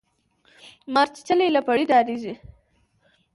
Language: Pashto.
ـ مارچيچلى له پړي ډاريږي.